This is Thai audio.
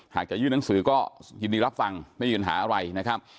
จะยื่นหนังสือก็ยินดีรับฟังไม่มีปัญหาอะไรนะครับ